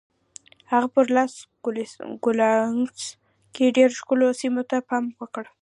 هغه په لاس نوګالس کې ډېرو ښکلو سیمو ته پام وکړ.